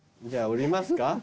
じゃあ降りますか。